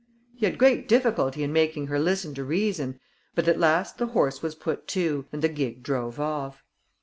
He had great difficulty in making her listen to reason, but at last the horse was put to, and the gig drove off.